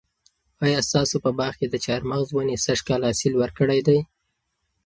آیا ستاسو په باغ کې د چهارمغز ونې سږ کال حاصل ورکړی دی؟